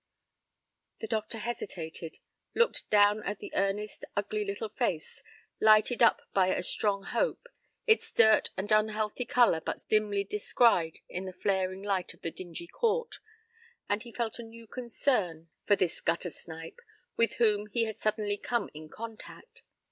The doctor hesitated, looked down at the earnest, ugly little face, lighted up by a strong hope, its dirt and unhealthy color but dimly descried in the flaring light of the dingy court, and he felt a new concern for this "gutter snipe" with whom he had suddenly come in contact.